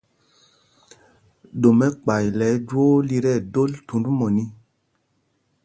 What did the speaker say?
Ɗom ɛkpay lɛ ɛjwoo lí tí ɛdol thund mɔní.